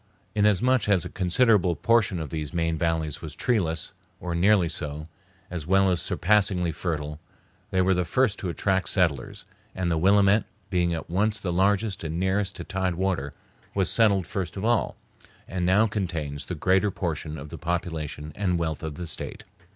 Inasmuch as a considerable portion of these main valleys was treeless, or nearly so, as well as surpassingly fertile, they were the first to attract settlers; and the Willamette, being at once the largest and nearest to tide water, was settled first of all, and now contains the greater portion of the population and wealth of the State.